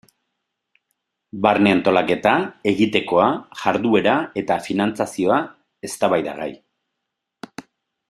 Barne antolaketa, egitekoa, jarduera eta finantzazioa eztabaidagai.